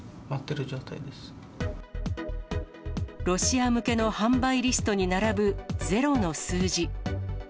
ロシア向けの販売リストに並ぶ０の数字。